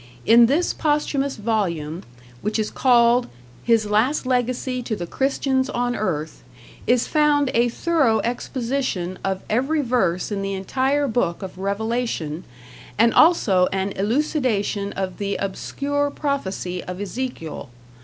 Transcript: In this posthumous volume, which is called "his last legacy to the Christians on earth," is found a thorough exposition of every verse in the entire book of Revelation and also an elucidation of the obscure prophecy of Ezekiel.